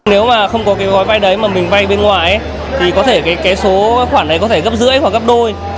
nếu mà không có cái gói bay đấy mà mình bay bên ngoài thì có thể cái số khoản này có thể gấp rưỡi hoặc gấp đôi